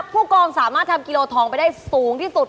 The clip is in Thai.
ผู้กองสามารถทำกิโลทองไปได้สูงที่สุด